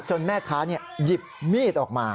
แม่ค้าหยิบมีดออกมา